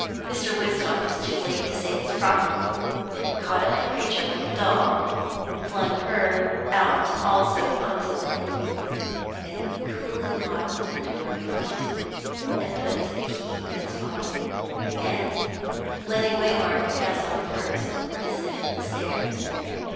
Mr. Woodstock was too late to save his property, but he caught up the creature like a doll, and flung her out also on to the landing, then coolly locked the door behind him, put the key in his pocket, and, letting Waymark pass on first, descended the stairs.